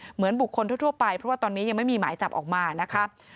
เหมือนบุคคลทั่วไปเพราะว่าตอนนี้ยังไม่มีหมายจับออกมานะคะ